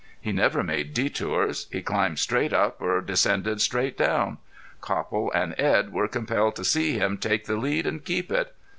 He never made detours. He climbed straight up or descended straight down. Copple and Edd were compelled to see him take the lead and keep it.